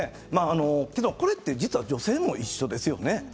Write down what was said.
これって女性も一緒ですよね。